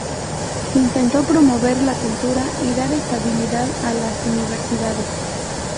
Intentó promover la cultura y dar estabilidad a las universidades.